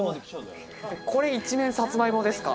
これ一面さつまいもですか？